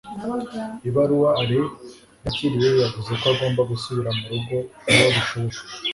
ibaruwa alain yakiriye yavuze ko agomba gusubira mu rugo vuba bishoboka